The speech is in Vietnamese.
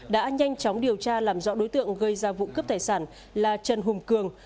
đã nhanh chóng điều tra làm rõ đối tượng gây ra vụ cướp tài sản là trần hùng cường